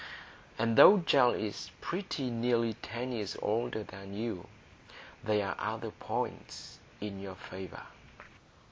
And though Gell is pretty near ten years older than you, there are other points in your favour."